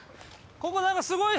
ここ、なんか、すごい。